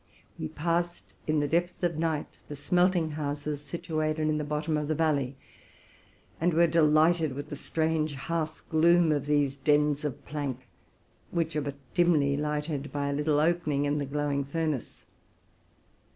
We passed, in the depth of night, the smelting houses situated in the bottom of the val ley, and were delighted with the strange half gloom of these dens of plank, which are but dimly lighted by a little open ing in the glowing furnace.